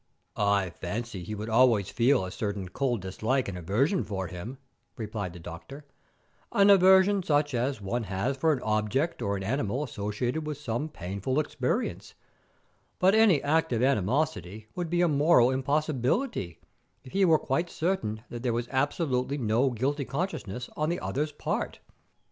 "I fancy he would always feel a certain cold dislike and aversion for him," replied the doctor "an aversion such as one has for an object or an animal associated with some painful experience; but any active animosity would be a moral impossibility, if he were quite certain that there was absolutely no guilty consciousness on the other's part.